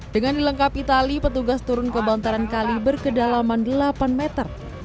dengan dilengkapi tali petugas turun ke bantaran kali berkedalaman delapan meter